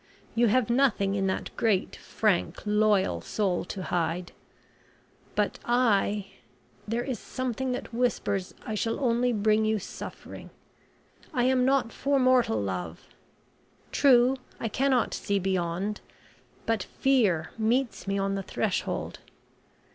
You have nothing in that great frank, loyal soul to hide. But I there is something that whispers I shall only bring you suffering. I am not for mortal love. True, I cannot see beyond, but Fear meets me on the threshold.